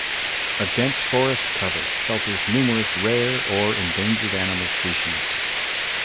A dense forest cover shelters numerous rare or endangered animal species.